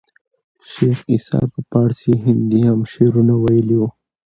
شېخ عیسي په پاړسي هندي هم شعرونه ویلي وو.